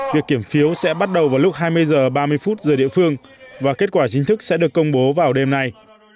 việc kiểm phiếu sẽ bắt đầu vào lúc hai mươi h ba mươi giờ địa phương và kết quả chính thức sẽ được công bố vào đêm nay